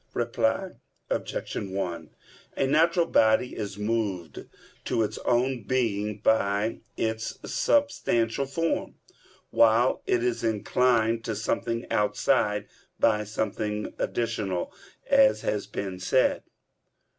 Reply Obj. 1: A natural body is moved to its own being by its substantial form: while it is inclined to something outside by something additional, as has been said.